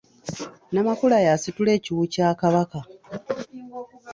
Namakula y’asitula ekiwu kya Kabaka.